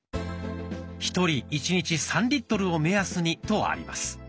「１人１日３リットルを目安に」とあります。